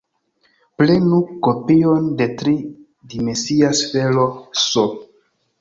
Prenu kopion de tri-dimensia sfero "S".